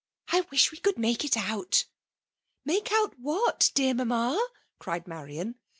'' I wish we could make it out,'* " Malce out vhat, dear Mamma?'' ciied Marian.